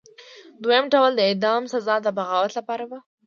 دویم ډول د اعدام سزا د بغاوت لپاره وه.